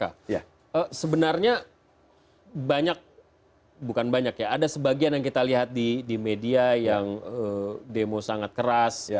karena sebenarnya banyak bukan banyak ya ada sebagian yang kita lihat di media yang demo sangat keras ya